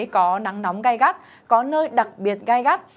có nắng nóng gai gắt có nơi đặc biệt gai gắt